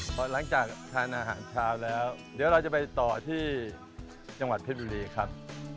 พอหลังจากทานอาหารเช้าแล้วเดี๋ยวเราจะไปต่อที่จังหวัดเพชรบุรีครับ